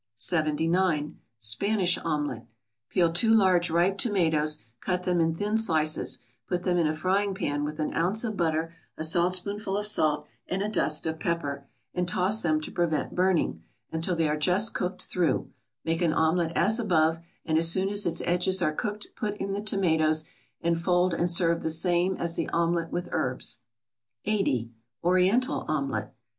79. =Spanish Omelette.= Peel two large ripe tomatoes, cut them in thin slices, put them into a frying pan with an ounce of butter, a saltspoonful of salt, and a dust of pepper, and toss them to prevent burning, until they are just cooked through; make an omelette as above, and as soon as its edges are cooked put in the tomatoes, and fold and serve the same as the omelette with herbs. 80. =Oriental Omelette.